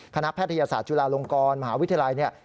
คณะแพทยศาสตร์จุฬาลงกรมหาวิทยาลัย